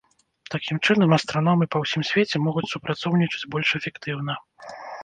Такім чынам, астраномы па ўсім свеце могуць супрацоўнічаць больш эфектыўна.